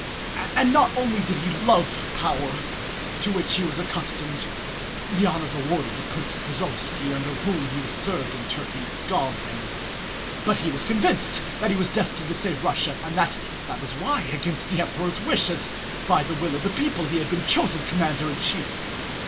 And not only did he love power to which he was accustomed (the honours awarded to Prince Prozoróvski, under whom he had served in Turkey, galled him), but he was convinced that he was destined to save Russia and that that was why, against the Emperor's wish and by the will of the people, he had been chosen commander in chief.